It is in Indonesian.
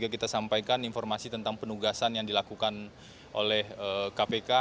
saya juga ingin menyampaikan informasi tentang penugasan yang dilakukan oleh kpk